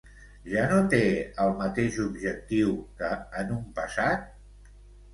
Ja no té el mateix objectiu que en un passat?